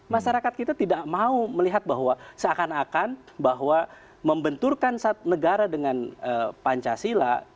masyarakat kita tidak mau melihat bahwa seakan akan bahwa membenturkan negara dengan pancasila